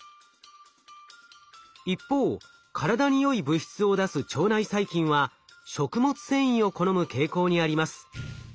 一方体によい物質を出す腸内細菌は食物繊維を好む傾向にあります。